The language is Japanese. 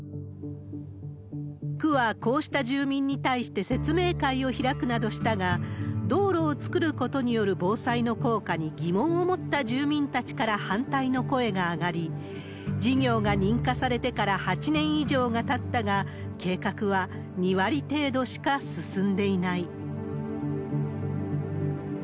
区は、こうした住民に対して説明会を開くなどしたが、道路を造ることによる防災の効果に疑問を持った住民たちから反対の声が上がり、事業が認可されてから８年以上がたったが、計画は２割程度しか進んでいない。